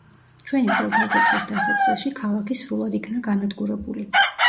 ჩვენი წელთაღრიცხვის დასაწყისში ქალაქი სრულად იქნა განადგურებული.